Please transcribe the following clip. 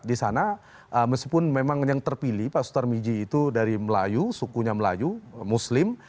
di sana meskipun memang yang terpilih pak sutar miji itu dari melayu sukunya melayu muslim